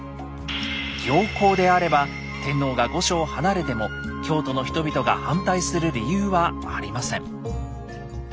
行幸であれば天皇が御所を離れても京都の人々が反対する理由はありません。